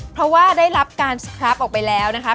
เพราะว่าได้รับการสครับออกไปแล้วนะคะ